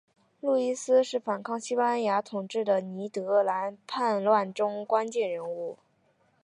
路易斯是反抗西班牙统治的尼德兰叛乱中关键人物。